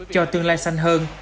cho tương lai xanh hơn